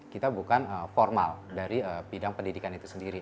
kita bukan formal dari bidang pendidikan itu sendiri